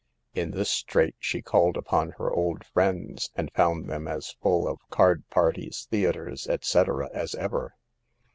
In this strait she called upon her old friends, and found them as full of card parties, theaters, etc., as ever.